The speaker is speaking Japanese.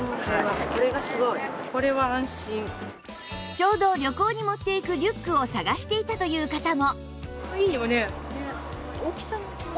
ちょうど旅行に持っていくリュックを探していたという方も